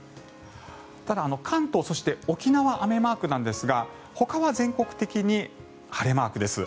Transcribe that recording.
ただ、関東、そして沖縄は雨マークなんですがほかは全国的に晴れマークです。